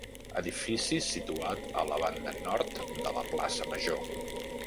Edifici situat a la banda nord de la plaça Major.